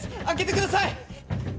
開けてください！